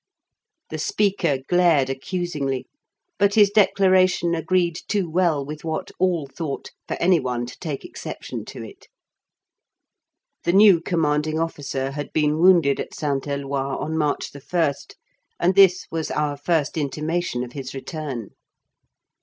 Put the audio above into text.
The speaker glared accusingly; but his declaration agreed too well with what all thought for any one to take exception to it. The new Commanding Officer had been wounded at St. Eloi on March 1st and this was our first intimation of his return.